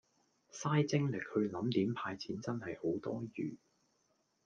晒精力去唸點派錢真係好多餘